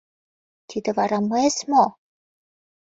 Тиде вара мыйс мо?